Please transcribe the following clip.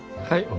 はい！